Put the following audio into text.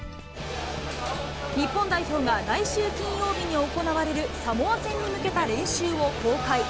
日本代表が来週金曜日に行われるサモア戦に向けた練習を公開。